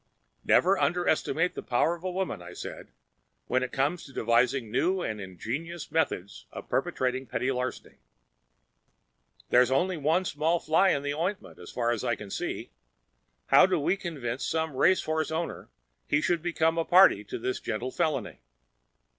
"Never underestimate the power of a woman," I said, "when it comes to devising new and ingenious methods of perpetrating petty larceny. There's only one small fly in the ointment, so far as I can see. How do we convince some racehorse owner he should become a party to this gentle felony?"